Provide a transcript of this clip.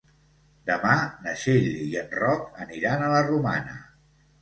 Demà na Txell i en Roc aniran a la Romana.